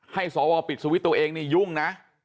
สวปิดสวิตช์ตัวเองนี่ยุ่งนะ